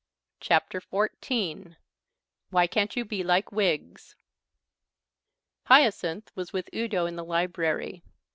CHAPTER XIV "WHY CAN'T YOU BE LIKE WIGGS?" Hyacinth was with Udo in the library.